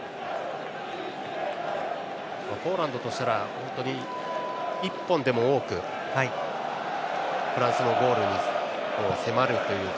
ポーランドとしたら本当に１本でも多くフランスのゴールに迫るというか